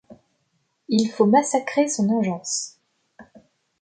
il faut massacrer son engeance.